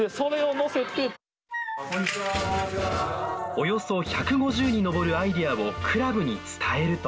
およそ１５０に上るアイデアをクラブに伝えると。